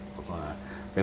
của quỹ trật thực hội